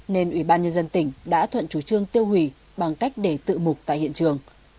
nên ủy ban nhân dân tỉnh đã thuận chủ trương tiêu hủy bằng cách để tự mục tại hiện trường